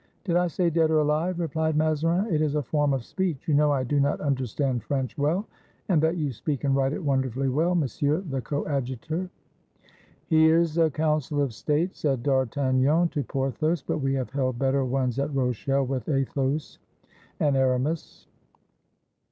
"Did I say dead or alive?" replied Mazarin. "It is a form of speech. You know I do not understand French well, and that you speak and write it wonderfully well, Monsieur the Coadjutor." "Here 'sa Council of State," said D'Artagnan to Por thos; "but we have held better ones at Rochelle with Athos and Aramis."